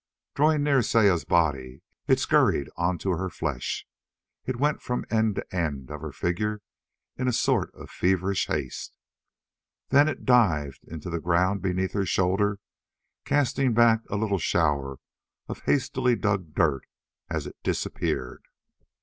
Drawing near Saya's body it scurried onto her flesh. It went from end to end of her figure in a sort of feverish haste. Then it dived into the ground beneath her shoulder, casting back a little shower of hastily dug dirt as it disappeared.